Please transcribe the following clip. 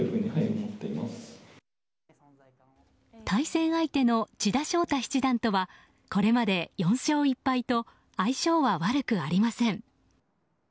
対戦相手の千田翔太七段とはこれまで４勝１敗と相性は悪くありません。